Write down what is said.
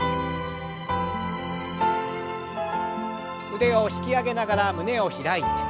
腕を引き上げながら胸を開いて。